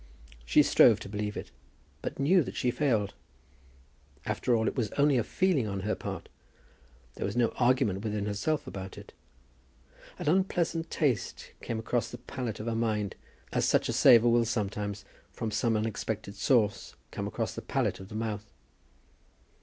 She strove to believe it, but knew that she failed. After all it was only a feeling on her part. There was no argument within herself about it. An unpleasant taste came across the palate of her mind, as such a savour will sometimes, from some unexpected source, come across the palate of the mouth.